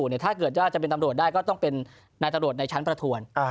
ถ้าเกิดว่าจะเป็นตำรวจได้ก็ต้องเป็นนายตำรวจในชั้นประทวน